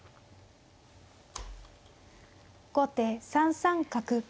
後手３三角。